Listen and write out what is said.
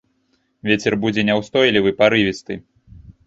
Вецер будзе няўстойлівы, парывісты.